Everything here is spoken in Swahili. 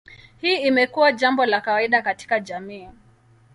Hii imekuwa jambo la kawaida katika jamii.